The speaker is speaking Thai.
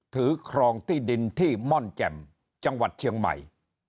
ครองที่ดินที่ม่อนแจ่มจังหวัดเชียงใหม่